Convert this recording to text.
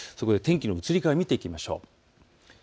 天気の移り変わり見ていきましょう。